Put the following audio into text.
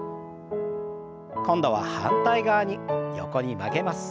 今度は反対側に横に曲げます。